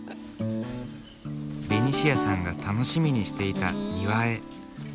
ベニシアさんが楽しみにしていた庭へ。